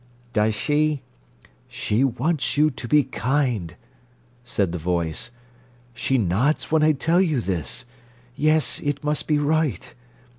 "Does she—" "She wants you to be kind," said the voice. "She nods when I tell you this. Yes; it must be right.